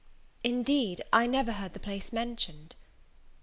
"Indeed, I never heard the place mentioned."